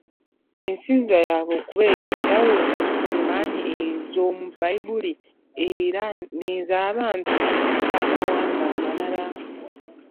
Ensinza yaabwe okuba ey’enjawulo ku Sulemani ez’omu Bbayibuli era n’ez’Abantu b’’amawanga amalala.